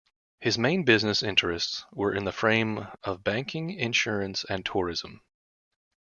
His main business interests were in the frame of banking, insurance and tourism.